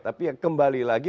tapi ya kembali lagi